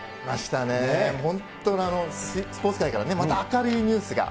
本当にスポーツ界からまた明るいニュースが。